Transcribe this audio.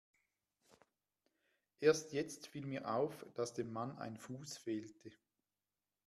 Erst jetzt fiel mir auf, dass dem Mann ein Fuß fehlte.